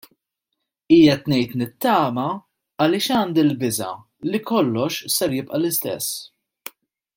Qiegħed ngħid nittama għaliex għandi l-biża' li kollox ser jibqa' l-istess.